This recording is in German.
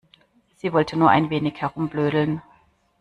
Sie wollte nur ein wenig herumblödeln.